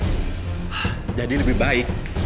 hah jadi lebih baik